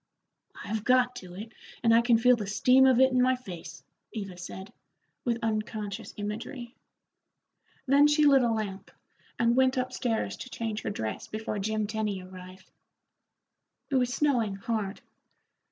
"I've got to it, and I can feel the steam of it in my face," Eva said, with unconscious imagery. Then she lit a lamp, and went up stairs to change her dress before Jim Tenny arrived. It was snowing hard.